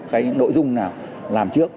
cái nội dung nào làm trước